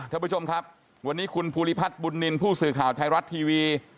ท่านผู้ชมครับวันนี้คุณภูริพัฒน์บุญนินทร์ผู้สื่อข่าวไทยรัฐทีวี